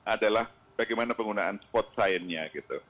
adalah bagaimana penggunaan spot sign nya